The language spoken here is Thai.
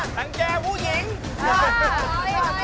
กันแจ้งภูเงิน